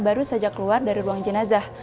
baru saja keluar dari ruang jenazah